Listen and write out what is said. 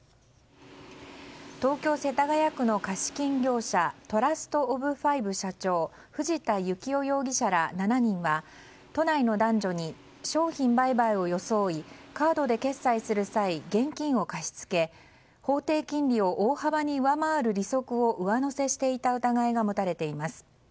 東京・世田谷区の貸金業者トラストオブファイブ社長藤田幸夫容疑者ら７人は都内の男女に商品売買を装いカードで決済する際現金を貸し付け、法定金利を大幅に上回る利息を上乗せしていた疑いが持たれています。